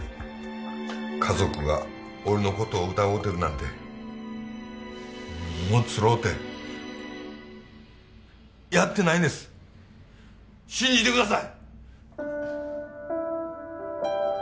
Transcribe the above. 家族が俺のことを疑うてるなんてもうつろうてやってないんです信じてください！